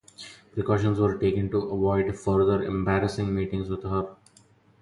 Precautions were taken to avoid further embarrassing meetings with her.